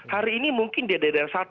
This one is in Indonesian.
hari ini mungkin di daerah satu